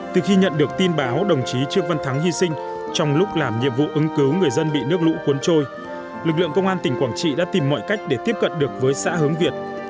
từ khi nhận được tin báo đồng chí trương văn thắng hy sinh trong lúc làm nhiệm vụ ứng cứu người dân bị nước lũ cuốn trôi lực lượng công an tỉnh quảng trị đã tìm mọi cách để tiếp cận được với xã hướng việt